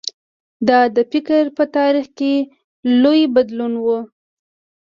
دا د فکر په تاریخ کې لوی بدلون و.